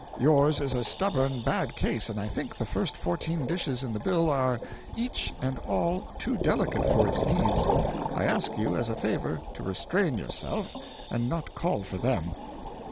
Yours is a stubborn, bad case, and I think the first fourteen dishes in the bill are each and all too delicate for its needs. I ask you as a favour to restrain yourself and not call for them.'